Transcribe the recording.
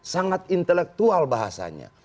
sangat intelektual bahasanya